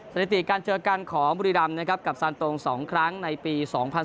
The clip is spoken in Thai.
สถิติการเจอกันของบุรีรำนะครับกับซานตรง๒ครั้งในปี๒๐๑๖